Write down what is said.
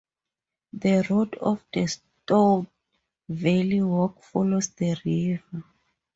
The route of the Stour Valley Walk follows the river.